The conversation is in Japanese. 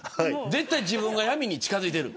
絶対に自分が闇に近づいている。